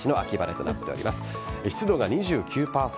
湿度が２９％